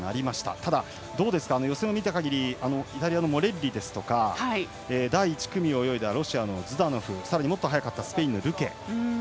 ただ、予選を見た限りイタリアのモレッリや第１組を泳いだロシアのズダノフさらにもっと速かったスペインのルケ。